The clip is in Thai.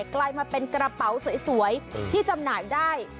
กลายมาเป็นกระเป๋าสวยที่จำหน่ายได้